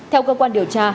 theo cơ quan điều tra